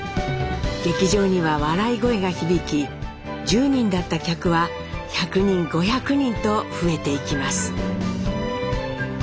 劇場には笑い声が響き１０人だった客は１００人５００人と増えていきます。